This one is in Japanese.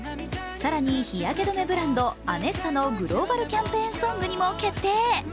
更に、日焼け止めブランドアネッサのグローバルキャンペーンソングにも決定。